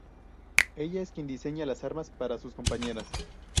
Ella es quien diseña las armas para sus compañeras.